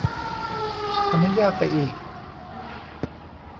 ทำให้ยากไปอีก